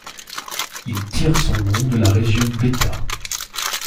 Il tire son nom de la région Bêta.